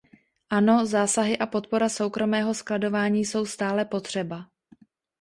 Ano, zásahy a podpora soukromého skladování jsou stále potřeba.